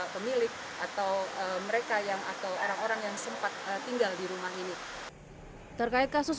pemilik atau mereka yang atau orang orang yang sempat tinggal di rumah ini terkait kasus